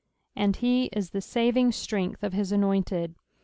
" And he it the lating ttrength q/ hit anointed."